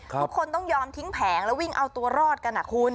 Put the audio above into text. ทุกคนต้องยอมทิ้งแผงแล้ววิ่งเอาตัวรอดกันนะคุณ